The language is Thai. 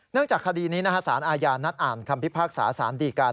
จากคดีนี้สารอาญานัดอ่านคำพิพากษาสารดีการ